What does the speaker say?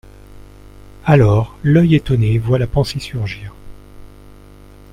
Alors, l'œil étonné voit la pensée surgir.